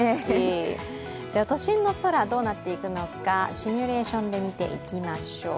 都心の空はどうなっていくのか、シミュレーションで見ていきましょう。